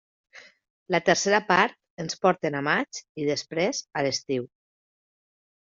La tercera part ens porten a maig i després a l'estiu.